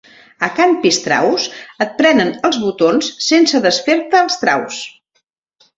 A can Pistraus et prenen els botons sense desfer-te els traus.